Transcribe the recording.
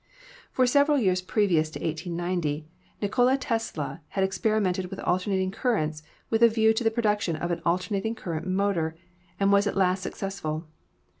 For several years previous to 1890 Nikola Tesla had experimented with alternating currents with a view to the production of an alternating current motor, and was at last successful.